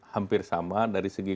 hampir sama dari segi